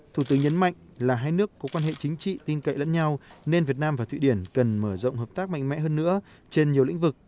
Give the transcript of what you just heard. thủ tướng nhấn mạnh là hai nước có quan hệ chính trị tin cậy lẫn nhau nên việt nam và thụy điển cần mở rộng hợp tác mạnh mẽ hơn nữa trên nhiều lĩnh vực